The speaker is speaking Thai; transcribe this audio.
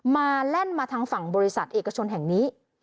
แล่นมาทางฝั่งบริษัทเอกชนแห่งนี้